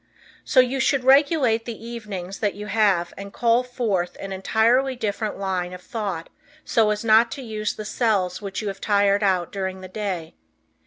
So you should regulate the evenings that you have and call forth an entirely different line of thought so as not to use the cells which you have tired out during the day.